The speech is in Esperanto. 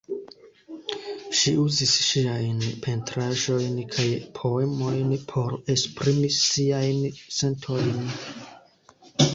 Ŝi uzis ŝiajn pentraĵojn kaj poemojn por esprimi siajn sentojn.